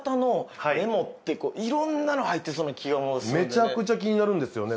めちゃくちゃ気になるんですよね。